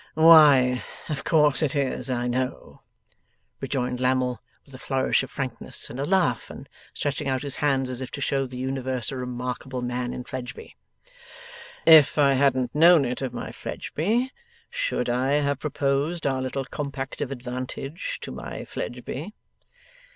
'Why of course it is, I know!' rejoined Lammle, with a flourish of frankness, and a laugh, and stretching out his hands as if to show the universe a remarkable man in Fledgeby. 'If I hadn't known it of my Fledgeby, should I have proposed our little compact of advantage, to my Fledgeby?